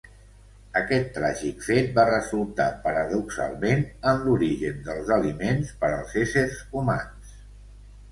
Aquest tràgic fet va resultar, paradoxalment, en l'origen dels aliments per als éssers humans.